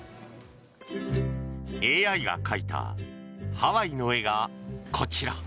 ＡＩが描いたハワイの絵がこちら。